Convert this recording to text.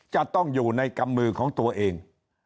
จะต้องอยู่ในกำมือของตัวเอง